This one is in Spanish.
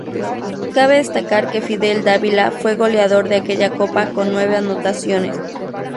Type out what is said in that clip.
Cabe destacar que Fidel Dávila fue goleador de aquella copa con nueve anotaciones.